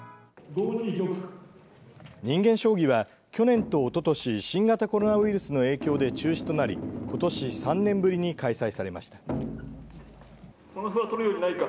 人間将棋は去年とおととし新型コロナウイルスの影響で中止となりことし３年ぶりに開催されました。